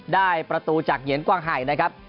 ได้ประตูจากเหยียนกว้างไห่นะครับ